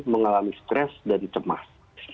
mengalami stres dan kemas